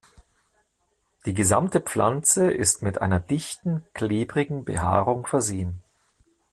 Die gesamte Pflanze ist mit einer dichten, klebrigen Behaarung versehen.